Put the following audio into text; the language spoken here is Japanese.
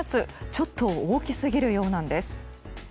ちょっと大きすぎるようなんです。